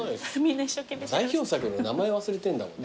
代表作の名前忘れてんだもん。